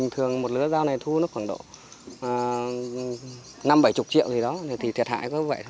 thường một lưới rau này thu nước khoảng độ năm bảy mươi triệu gì đó thì thiệt hại có vậy